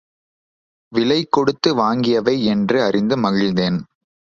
விலை கொடுத்து வாங்கியவை என்று அறிந்து மகிழ்ந்தேன்.